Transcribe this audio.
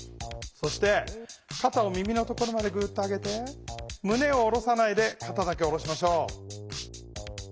そしてかたを耳のところまでグッと上げてむねを下ろさないでかただけ下ろしましょう。